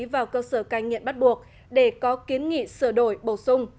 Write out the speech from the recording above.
vào cơ sở cai nghiện bắt buộc để có kiến nghị sửa đổi bổ sung